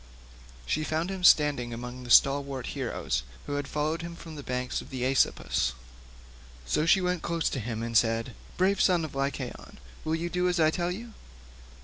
She found him standing among the stalwart heroes who had followed him from the banks of the Aesopus, so she went close up to him and said, "Brave son of Lycaon, will you do as I tell you?